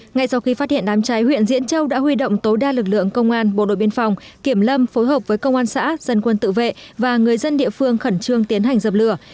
ngay sau khi phát hiện đám cháy huyện diễn châu đã huy động tối đa lực lượng công an bộ đội biên phòng kiểm lâm phối hợp với công an xã dân quân tự vệ và người dân địa phương khẩn trương tiến hành dập lửa